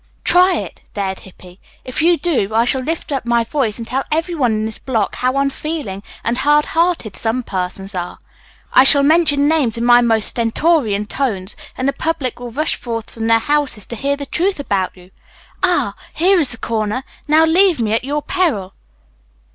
"Try it," dared Hippy. "If you do I shall lift up my voice and tell everyone in this block how unfeeling and hard hearted some persons are. I shall mention names in my most stentorian tones and the public will rush forth from their houses to hear the truth about you. Ah, here is the corner! Now, leave me at your peril."